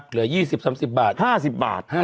เหลือ๒๐๓๐บาท๕๐บาท